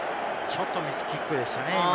ちょっとミスキックでしたね。